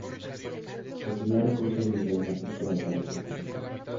Recibía recursos desde una pista de aterrizaje cercana.